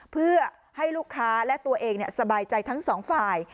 เพื่อให้ลูกค้าและตัวเองสบายใจทั้งสองฝ่าย